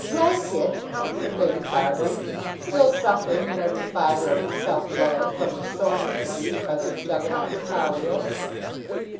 "Like it!" said Lady Carbury, still suffering in every fibre of her self love from the soreness produced by those Juggernaut's car wheels.